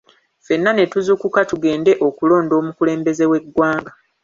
Fenna ne tuzuukuka tugende okulonda omukulembeze w’eggwanga.